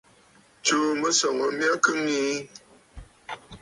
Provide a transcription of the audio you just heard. Tsùu mɨsɔŋ oo my kɨ ŋii.